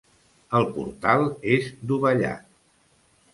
El portal és dovellat.